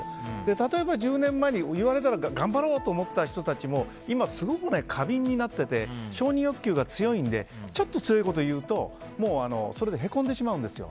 例えば１０年前に言われて頑張ろうって思ってた人も今、すごく過敏になってて承認欲求が強いんで、ちょっと強いこと言うとへこんでしまうんですよ。